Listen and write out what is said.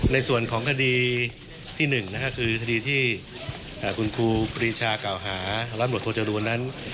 ในส่วนของคดีที่๑คือคดีที่คุณครูปีชาเก่าหารับบทโทษฎูนั้น